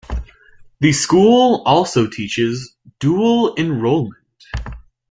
The school also teaches dual enrollment.